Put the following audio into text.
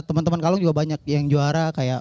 teman teman kalung juga banyak yang juara kayak